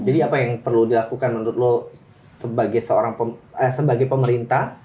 jadi apa yang perlu dilakukan menurut lo sebagai seorang sebagai pemerintah